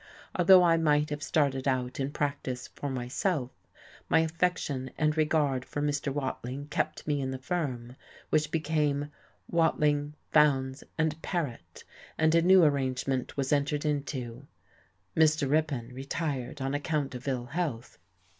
Although I might have started out in practice for myself, my affection and regard for Mr. Watling kept me in the firm, which became Watling, Fowndes and Paret, and a new, arrangement was entered into: Mr. Ripon retired on account of ill health.